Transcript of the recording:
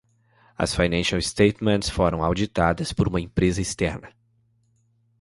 As financial statements foram auditadas por uma empresa externa.